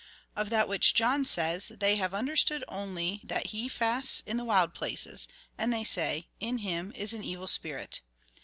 Of that which John says, they have understood only that he fasts in the wild places, and they say :' In him is an evil spirit.'